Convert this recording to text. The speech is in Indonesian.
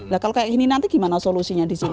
nah kalau kayak ini nanti gimana solusinya di sini